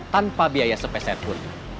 tanpa biaya sepeset pun